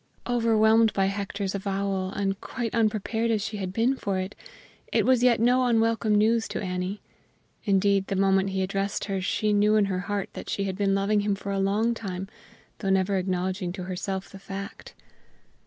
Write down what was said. Overwhelmed by Hector's avowal, and quite unprepared as she had been for it, it was yet no unwelcome news to Annie. Indeed, the moment he addressed her, she knew in her heart that she had been loving him for a long time, though never acknowledging to herself the fact.